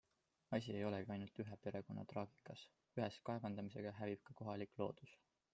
Asi ei olegi ainult ühe perekonna traagikas - ühes kaevandamisega hävib ka kohalik loodus.